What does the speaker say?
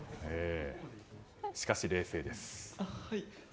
しかし、冷静です。